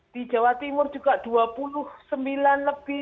di jawa timur juga dua puluh sembilan lebih